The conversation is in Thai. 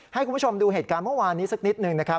ให้คุณผู้ชมดูเหตุการณ์เมื่อวานนี้สักนิดหนึ่งนะครับ